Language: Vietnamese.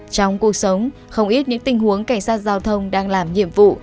trong cuộc sống không ít những tình huống cảnh sát giao thông đang làm nhiệm vụ